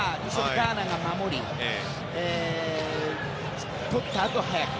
ガーナが守りとったあと早く。